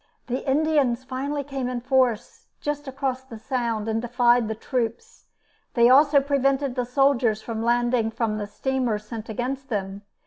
The Indians finally came in force just across the Sound and defied the troops. They also prevented the soldiers from landing from the steamer sent against them.